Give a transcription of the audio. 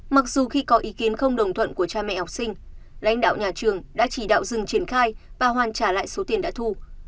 mặc dù khi có ý kiến không đồng thuận của cha mẹ học sinh lãnh đạo nhà trường đã chỉ đạo dừng triển khai và hoàn trả lại số tiền đã thu